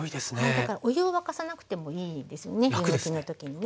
だからお湯を沸かさなくてもいいですよね湯むきの時にね。